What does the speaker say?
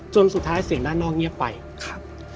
สุดท้ายเสียงด้านนอกเงียบไปครับ